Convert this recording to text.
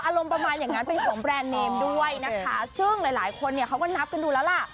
ประมาณอย่างนั้นเป็นของแบรนด์เนมด้วยนะคะซึ่งหลายหลายคนเนี่ยเขาก็นับกันดูแล้วล่ะ